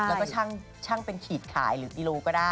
แล้วก็ชั่งเป็นขีดขายหรือกิโลก็ได้